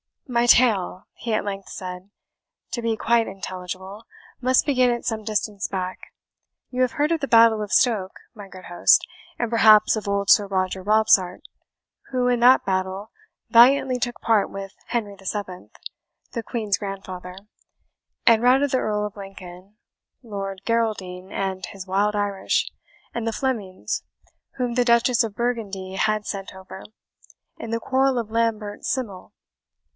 "My tale," he at length said, "to be quite intelligible, must begin at some distance back. You have heard of the battle of Stoke, my good host, and perhaps of old Sir Roger Robsart, who, in that battle, valiantly took part with Henry VII., the Queen's grandfather, and routed the Earl of Lincoln, Lord Geraldin and his wild Irish, and the Flemings whom the Duchess of Burgundy had sent over, in the quarrel of Lambert Simnel?"